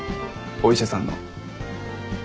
お医者さんの。